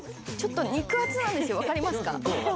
肉厚なんですよ分かりますか？